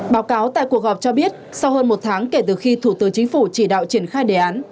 báo cáo tại cuộc họp cho biết sau hơn một tháng kể từ khi thủ tướng chính phủ chỉ đạo triển khai đề án